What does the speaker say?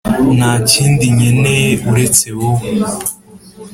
nta kindi nkeneye uretse wowe